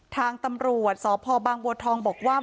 ทางตำรวจสพบางบัวทองบอกว่า